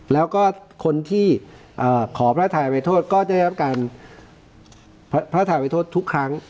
แล้วก็คนที่ขอพระทายไปโทษก็จะได้รับการพระทายไปโทษทุกครั้ง